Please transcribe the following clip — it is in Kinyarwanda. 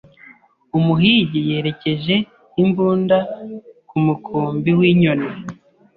Umuhigi yerekeje imbunda ku mukumbi w'inyoni.